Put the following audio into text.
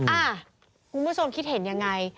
อ้าคุณผู้ชมคิดเห็นอย่างไร